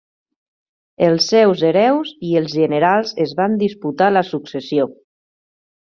Els seus hereus i els generals es van disputar la successió.